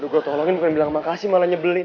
gue tolongin bukan bilang makasih malah nyebelin